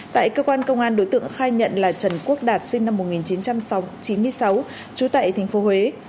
tại cơ quan công an đối tượng khai nhận là trần quốc đạt sinh năm một nghìn chín trăm chín mươi sáu trú tại tp huế